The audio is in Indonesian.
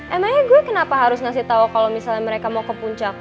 emangnya gue kenapa harus ngasih tau kalau misalnya mereka mau ke puncak